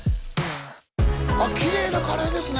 きれいなカレーですね